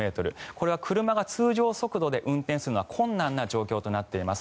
これは車が通常速度で運転するのは困難な状況となっています。